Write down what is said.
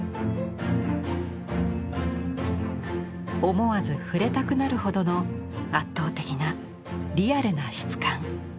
思わず触れたくなるほどの圧倒的なリアルな質感。